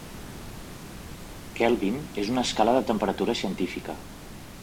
Kelvin és una escala de temperatura científica.